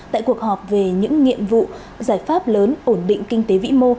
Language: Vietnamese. tại cuộc họp về những nghiệm vụ giải pháp lớn ổn định kinh tế vimo